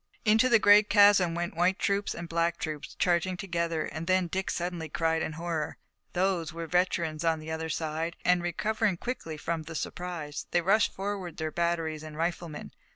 Into the great chasm went white troops and black troops, charging together, and then Dick suddenly cried in horror. Those were veterans on the other side, and, recovering quickly from the surprise, they rushed forward their batteries and riflemen.